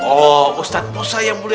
oh ustadz musa yang mulia